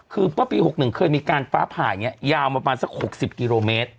คือเมื่อปี๖๑เคยมีการฟ้าผ่าอย่างนี้ยาวประมาณสัก๖๐กิโลเมตร